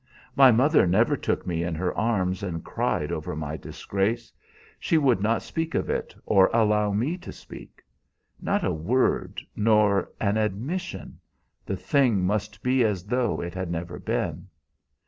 My mother never took me in her arms and cried over my disgrace. She would not speak of it, or allow me to speak. Not a word nor an admission; the thing must be as though it had never been!